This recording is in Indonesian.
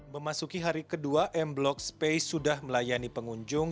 memasuki hari kedua m block space sudah melayani pengunjung